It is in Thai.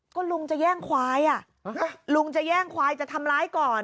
ก็ลุงจะแย่งควายอ่ะลุงจะแย่งควายจะทำร้ายก่อน